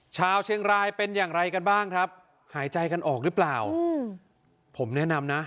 ชาวเชียงรายเป็นอย่างไรกันบ้างครับหายใจกันออกหรือเปล่าผมแนะนำนะ